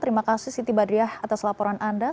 terima kasih siti badriah atas laporan anda